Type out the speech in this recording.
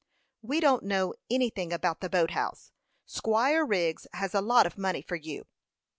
"We don't know anything about the boat house; Squire Wriggs has a lot of money for you."